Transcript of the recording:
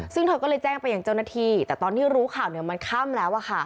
ซึ่งเธอก็เลยแจ้งไปยังเจ้าหน้าที่แต่ตอนที่รู้ข่าวมันค่ำแล้ว